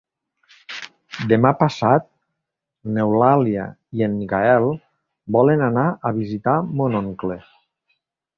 Demà passat n'Eulàlia i en Gaël volen anar a visitar mon oncle.